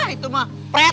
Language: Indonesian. itu mah pet